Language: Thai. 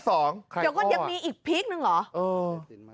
เดี๋ยวก็ยังมีอีกพีคนึงเหรอ